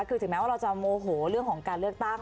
คือถึงแม้ว่าเราจะโมโหเรื่องของการเลือกตั้ง